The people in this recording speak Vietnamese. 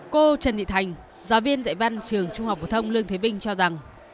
cô trần thị thành giáo viên dạy văn trường trung học phổ thông lương thế binh cho rằng